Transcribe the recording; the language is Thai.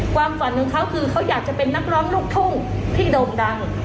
ความฝันของเขาคือเขาอยากจะเป็นนักร้องลูกทุ่งที่โด่งดัง